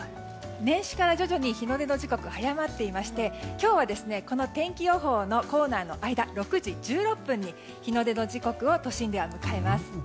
年始から徐々に日の出の時刻が早まっていまして今日は、天気予報のコーナーの間６時１６分に日の出の時刻を都心では迎えます。